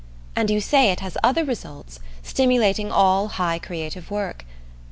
And you say it has other results, stimulating all high creative work.